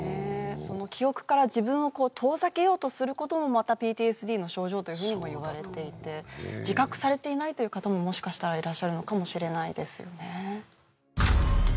その記憶から自分をこう遠ざけようとすることもまたＰＴＳＤの症状というふうにもいわれていて自覚されていないという方ももしかしたらいらっしゃるのかもしれないですよね